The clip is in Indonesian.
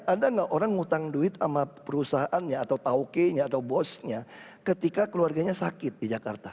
ada nggak orang ngutang duit sama perusahaannya atau tauke nya atau bosnya ketika keluarganya sakit di jakarta